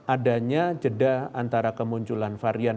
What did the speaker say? adanya jeda antara kemunculan varian